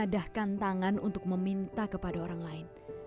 mengadahkan tangan untuk meminta kepada orang lain